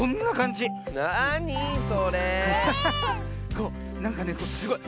こうなんかねすごい